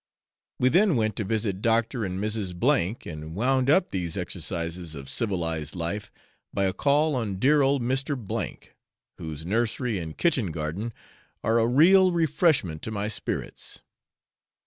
We then went to visit Dr. and Mrs. G , and wound up these exercises of civilized life by a call on dear old Mr. C , whose nursery and kitchen garden are a real refreshment to my spirits.